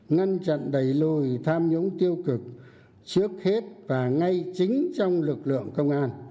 ngăn chặn đẩy lùi tham nhũng tiêu cực trước hết và ngay chính trong lực lượng công an